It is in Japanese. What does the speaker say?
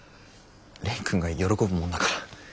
蓮くんが喜ぶもんだから。